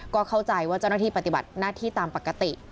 ก็เข้าใจว่าเจ้าหน้าที่ปฏิบัติหน้าที่ตามปกติ